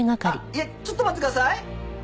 いえちょっと待ってください。